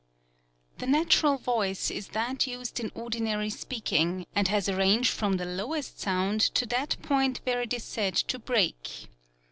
The natural voice is that used in ordinary speaking, and has a range from the lowest sound to that point where it is said to break.